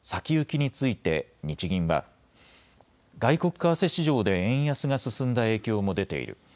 先行きについて日銀は外国為替市場で円安が進んだ影響も出ている。